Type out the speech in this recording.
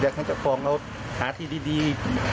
เดี๋ยวเขาจะฟองแล้วหาที่ดี